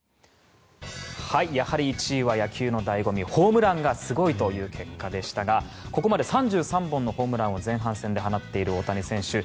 やはり１位は野球のだいご味ホームランがスゴイ！という結果でしたがここまで３３本のホームランを前半戦で放っている大谷選手。